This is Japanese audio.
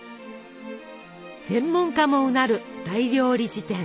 専門家もうなる「大料理事典」。